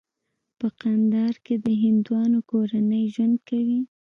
په کندهار کې د هندوانو کورنۍ ژوند کوي.